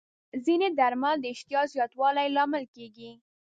ځینې درمل د اشتها زیاتوالي لامل کېږي.